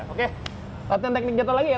oke latihan teknik jatuh lagi ya